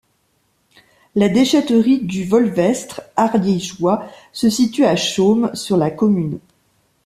La déchetterie du Volvestre ariégeois se situe à Chaumes sur la commune.